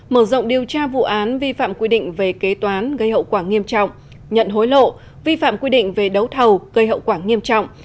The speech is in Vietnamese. mở rộng điều tra vụ án vi phạm quy định về kế toán gây hậu quả nghiêm trọng nhận hối lộ vi phạm quy định về đấu thầu gây hậu quả nghiêm trọng